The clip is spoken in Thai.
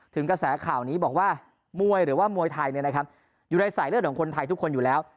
กระแสข่าวนี้บอกว่ามวยหรือว่ามวยไทยอยู่ในสายเลือดของคนไทยทุกคนอยู่แล้ว